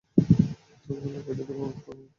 তোর গলা কেটে দেবো, মাগী।